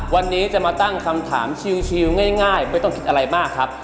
วันนี้จะมาตั้งคำถามชิวง่ายไม่ต้องคิดอะไรมากครับ